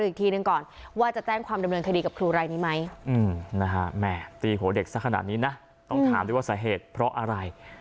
อืมนะฮะแหมตีหัวเด็กสักขนาดนี้นะต้องถามด้วยว่าสาเหตุเพราะอะไร